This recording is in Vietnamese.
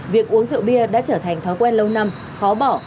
việc uống rượu bia đã trở thành thói quen lâu năm khó bỏ